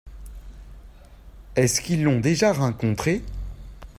Est-ce qu'ils l'ont déjà rencontré ?